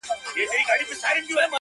چي هر چا ورته کتل ورته حیران وه-